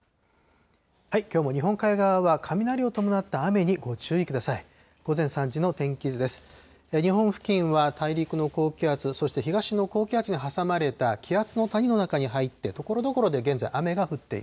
きょうも日本海側は雷を伴った雨にご注意ください。